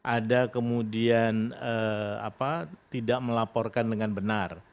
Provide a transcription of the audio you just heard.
ada kemudian tidak melaporkan dengan benar